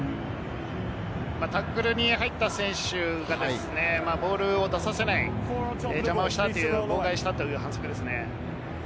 タックルに入った選手がボールを出させない、邪魔をした、妨害したという反則です。